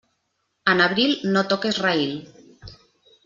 En abril no toques raïl.